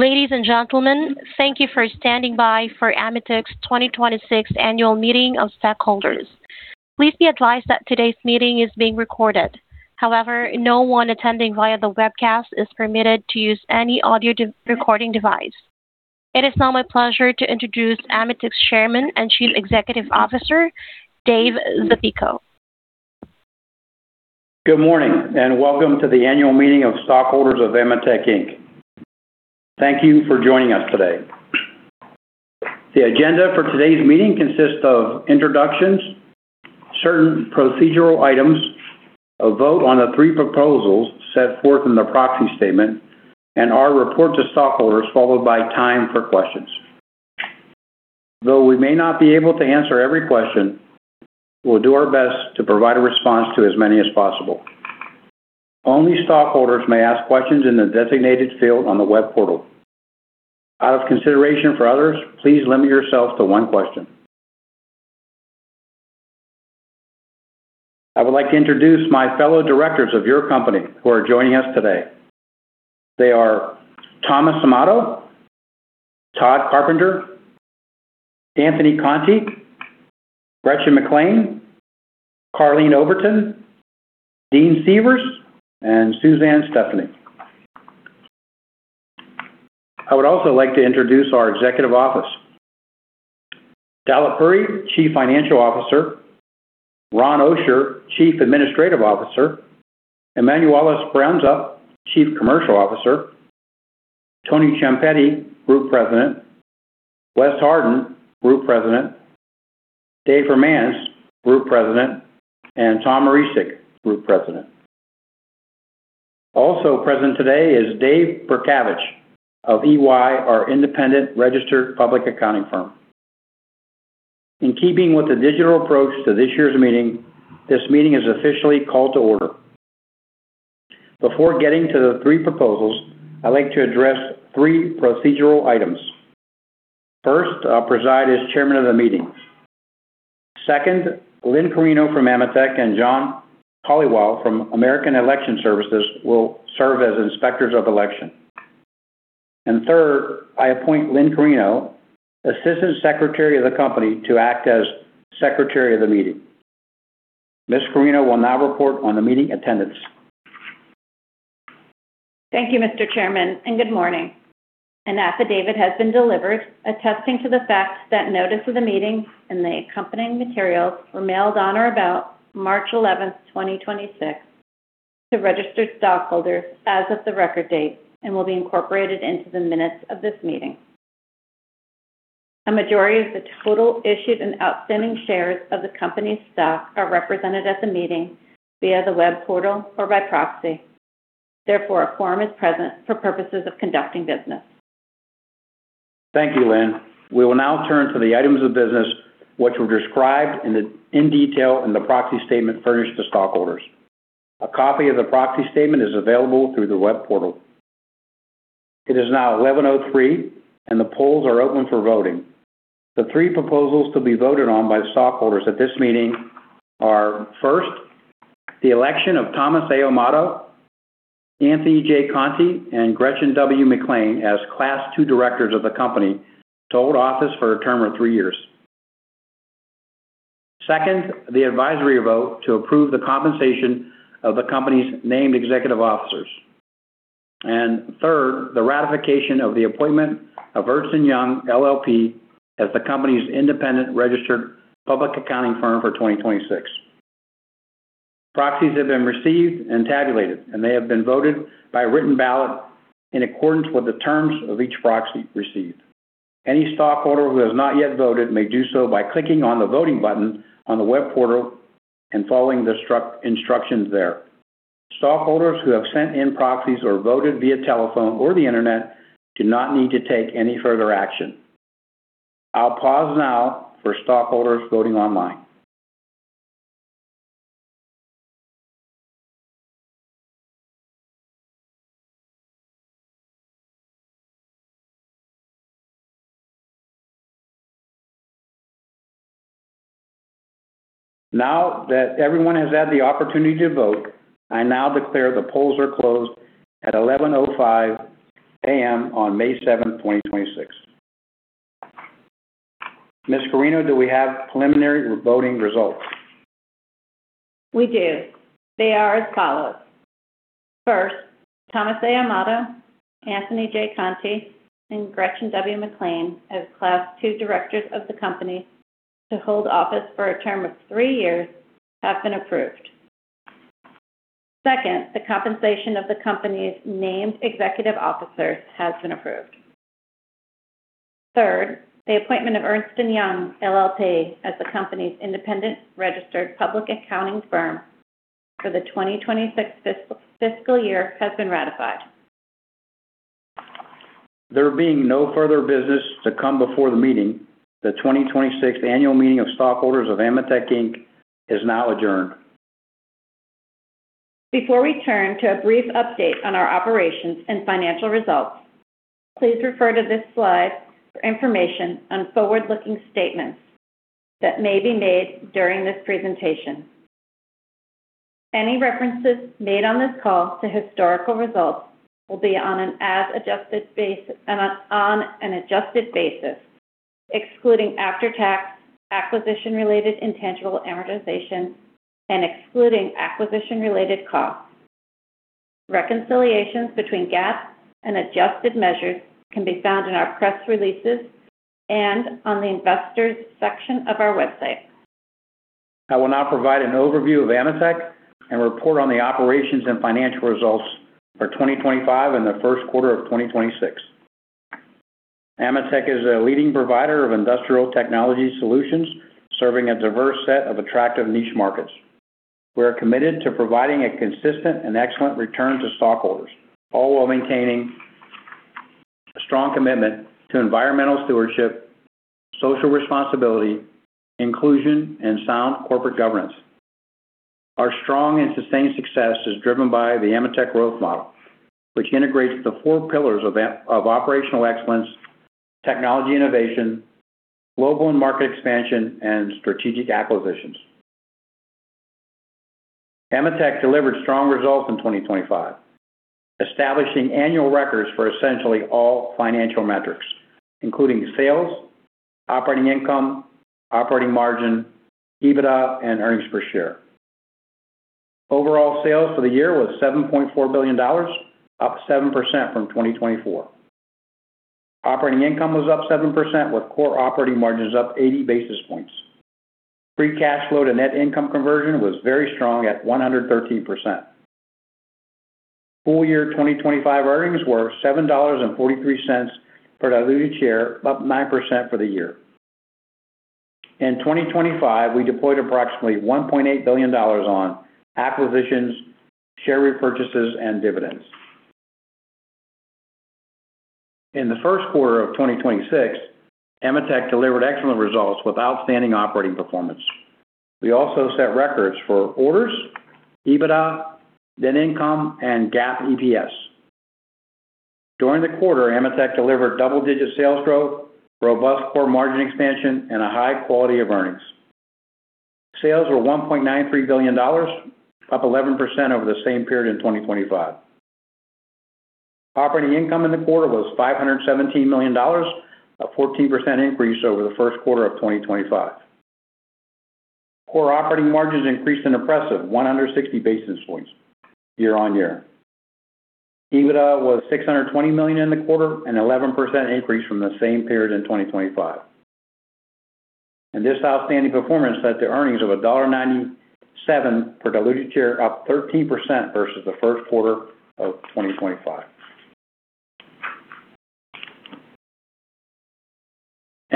Ladies and gentlemen, thank you for standing by for AMETEK's 2026 Annual Meeting of Stockholders. Please be advised that today's meeting is being recorded. However, no one attending via the webcast is permitted to use any audio recording device. It is now my pleasure to introduce AMETEK's Chairman and Chief Executive Officer, David Zapico. Good morning, and welcome to the Annual Meeting of Stockholders of AMETEK, Inc. Thank you for joining us today. The agenda for today's meeting consists of introductions, certain procedural items, a vote on the three proposals set forth in the proxy statement and our report to stockholders, followed by time for questions. Though we may not be able to answer every question, we'll do our best to provide a response to as many as possible. Only stockholders may ask questions in the designated field on the web portal. Out of consideration for others, please limit yourself to one question. I would like to introduce my fellow directors of your company who are joining us today. They are Thomas Amato, Tod E. Carpenter, Anthony Conti, Gretchen McClain, Karleen M. Oberton, Dean Seavers, and Suzanne Stefany. I would also like to introduce our executive office. Dalip Puri, Chief Financial Officer, Ron Oscher, Chief Administrative Officer, Emanuela Speranza, Chief Commercial Officer, Tony Ciampitti, Group President, John W. Hardin, Group President, Dave Hermance, Group President, and Thomas Marecic, Group President. Also present today is David Burkavage of EY, our independent registered public accounting firm. In keeping with the digital approach to this year's meeting, this meeting is officially called to order. Before getting to the three proposals, I'd like to address three procedural items. First, I'll preside as chairman of the meeting. Second, Lynn Carino from AMETEK and John Holewa from American Election Services will serve as inspectors of election. Third, I appoint Lynn Carino, Assistant Secretary of the company, to act as Secretary of the meeting. Ms. Carino will now report on the meeting attendance. Thank you, Mr. Chairman, and good morning. An affidavit has been delivered attesting to the fact that notice of the meeting and the accompanying materials were mailed on or about March 11th, 2026 to registered stockholders as of the record date and will be incorporated into the minutes of this meeting. A majority of the total issued and outstanding shares of the company's stock are represented at the meeting via the web portal or by proxy. Therefore, a forum is present for purposes of conducting business. Thank you, Lynn. We will now turn to the items of business, which were described in detail in the proxy statement furnished to stockholders. A copy of the proxy statement is available through the web portal. It is now 11:03 A.M., the polls are open for voting. The three proposals to be voted on by stockholders at this meeting are, first, the election of Thomas A. Amato, Anthony J. Conti, and Gretchen W. McClain as Class 2 directors of the company to hold office for a term of three years. Second, the advisory vote to approve the compensation of the company's named executive officers. Third, the ratification of the appointment of Ernst & Young LLP as the company's independent registered public accounting firm for 2026. Proxies have been received and tabulated. They have been voted by written ballot in accordance with the terms of each proxy received. Any stockholder who has not yet voted may do so by clicking on the Voting button on the web portal and following the instructions there. Stockholders who have sent in proxies or voted via telephone or the Internet do not need to take any further action. I'll pause now for stockholders voting online. Now that everyone has had the opportunity to vote, I now declare the polls are closed at 11:05 A.M. on May 7th, 2026. Ms. Carino, do we have preliminary voting results? We do. They are as follows. First, Thomas A. Amato, Anthony J. Conti, and Gretchen W. McClain as Class 2 directors of the company to hold office for a term of 3 years have been approved. Second, the compensation of the company's named executive officers has been approved. Third, the appointment of Ernst & Young LLP as the company's independent registered public accounting firm for the 2026 fiscal year has been ratified. There being no further business to come before the meeting, the 2026 Annual Meeting of Stockholders of AMETEK, Inc. is now adjourned. Before we turn to a brief update on our operations and financial results, please refer to this slide for information on forward-looking statements that may be made during this presentation. Any references made on this call to historical results will be on an as adjusted basis, excluding after-tax acquisition-related intangible amortization and excluding acquisition-related costs. Reconciliations between GAAP and adjusted measures can be found in our press releases and on the investors section of our website. I will now provide an overview of AMETEK and report on the operations and financial results for 2025 in the first quarter of 2026. AMETEK is a leading provider of industrial technology solutions, serving a diverse set of attractive niche markets. We are committed to providing a consistent and excellent return to stockholders, all while maintaining a strong commitment to environmental stewardship, social responsibility, inclusion, and sound corporate governance. Our strong and sustained success is driven by the AMETEK Growth Model, which integrates the four pillars of operational excellence, technology innovation, global and market expansion, and strategic acquisitions. AMETEK delivered strong results in 2025, establishing annual records for essentially all financial metrics, including sales, operating income, operating margin, EBITDA, and earnings per share. Overall sales for the year was $7.4 billion, up 7% from 2024. Operating income was up 7%, with core operating margins up 80 basis points. Free cash flow to net income conversion was very strong at 113%. Full year 2025 earnings were $7.43 per diluted share, up 9% for the year. In 2025, we deployed approximately $1.8 billion on acquisitions, share repurchases, and dividends. In the first quarter of 2026, AMETEK delivered excellent results with outstanding operating performance. We also set records for orders, EBITDA, net income, and GAAP EPS. During the quarter, AMETEK delivered double-digit sales growth, robust core margin expansion, and a high quality of earnings. Sales were $1.93 billion, up 11% over the same period in 2025. Operating income in the quarter was $517 million, a 14% increase over the first quarter of 2025. Core operating margins increased an impressive 160 basis points year-over-year. EBITDA was $620 million in the quarter, an 11% increase from the same period in 2025. This outstanding performance set to earnings of $1.97 per diluted share, up 13% versus the first quarter of 2025.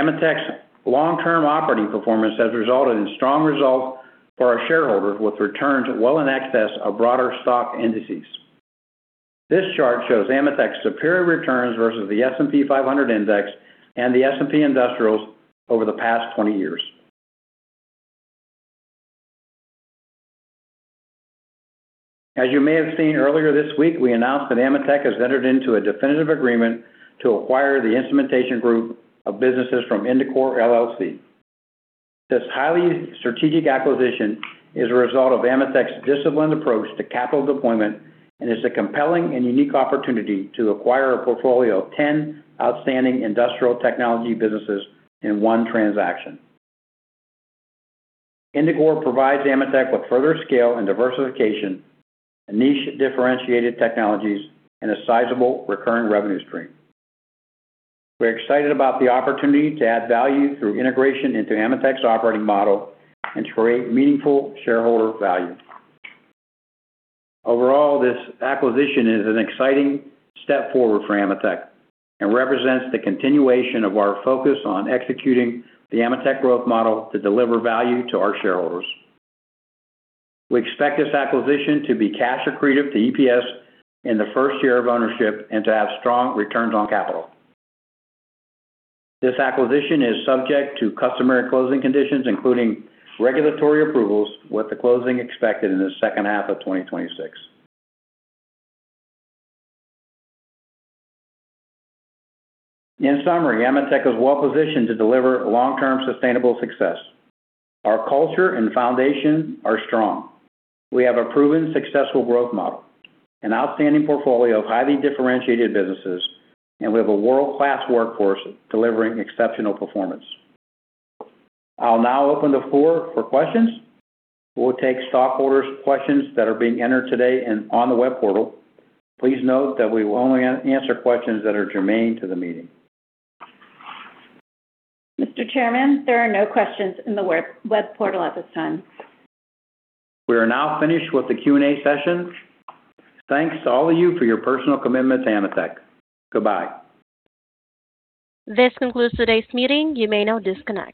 AMETEK's long-term operating performance has resulted in strong results for our shareholders, with returns well in excess of broader stock indices. This chart shows AMETEK's superior returns versus the S&P 500 Index and the S&P Industrials over the past 20 years. As you may have seen earlier this week, we announced that AMETEK has entered into a definitive agreement to acquire the instrumentation group of businesses from Indicor, LLC. This highly strategic acquisition is a result of AMETEK's disciplined approach to capital deployment and is a compelling and unique opportunity to acquire a portfolio of 10 outstanding industrial technology businesses in one transaction. Indicor provides AMETEK with further scale and diversification, and niche differentiated technologies, and a sizable recurring revenue stream. We're excited about the opportunity to add value through integration into AMETEK's operating model and to create meaningful shareholder value. Overall, this acquisition is an exciting step forward for AMETEK and represents the continuation of our focus on executing the AMETEK Growth Model to deliver value to our shareholders. We expect this acquisition to be cash accretive to EPS in the first year of ownership and to have strong returns on capital. This acquisition is subject to customary closing conditions, including regulatory approvals, with the closing expected in the second half of 2026. In summary, AMETEK is well-positioned to deliver long-term sustainable success. Our culture and foundation are strong. We have a proven successful AMETEK Growth Model, an outstanding portfolio of highly differentiated businesses, and we have a world-class workforce delivering exceptional performance. I'll now open the floor for questions. We'll take stockholders' questions that are being entered today on the web portal. Please note that we will only answer questions that are germane to the meeting. Mr. Chairman, there are no questions in the web portal at this time. We are now finished with the Q&A session. Thanks to all of you for your personal commitment to AMETEK. Goodbye. This concludes today's meeting. You may now disconnect.